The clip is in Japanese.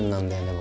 僕。